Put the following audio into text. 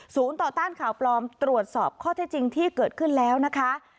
ต่อต้านข่าวปลอมตรวจสอบข้อเท็จจริงที่เกิดขึ้นแล้วนะคะ